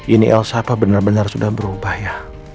ini elsa pa bener bener sudah berubah ya